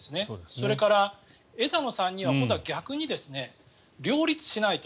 それから、枝野さんには今度は逆に両立しないと。